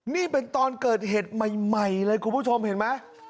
นี่เป็นตอนเกิดเหตุใหม่เลยคุณผู้ชมเห็นไหม